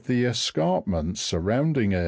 the escarpments surrounding it.